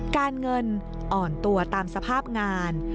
การเงินอ่อนตัวตามสภาพงาน